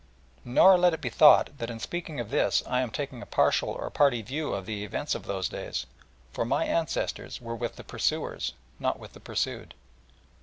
Nor let it be thought that in speaking of this I am taking a partial or party view of the events of those days, for my ancestors were with the pursuers, not with the pursued.